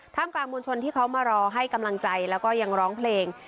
กลางมวลชนที่เขามารอให้กำลังใจแล้วก็ยังร้องเพลง